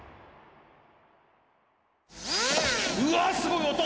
うわすごい音！